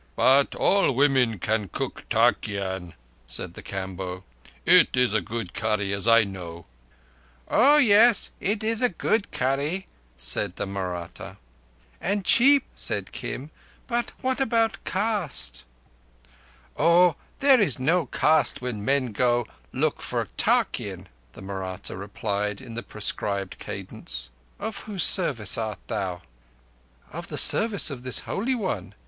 "But all women can cook tarkeean," said the Kamboh. "It is a good curry, as I know." "Oh yes, it is a good curry," said the Mahratta. "And cheap," said Kim. "But what about caste?" "Oh, there is no caste where men go to—look for tarkeean," the Mahratta replied, in the prescribed cadence. "Of whose service art thou?" "Of the service of this Holy One."